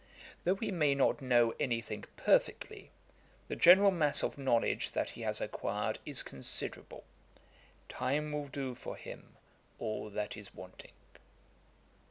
Though he may not know any thing perfectly, the general mass of knowledge that he has acquired is considerable. Time will do for him all that is wanting.'